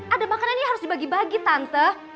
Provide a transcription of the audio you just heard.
ada makanan yang harus dibagi bagi tante